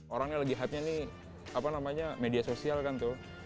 orang yang lagi hype nya ini media sosial kan tuh